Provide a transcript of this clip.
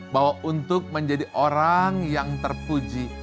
bahwa untuk menjadi orang yang terpuji